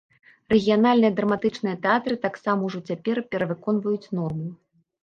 Рэгіянальныя драматычныя тэатры таксама ўжо цяпер перавыконваюць норму.